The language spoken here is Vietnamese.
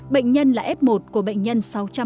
bệnh nhân là f một của bệnh nhân sáu trăm bốn mươi